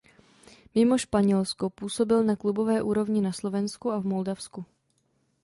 Mimo Španělsko působil na klubové úrovni na Slovensku a v Moldavsku.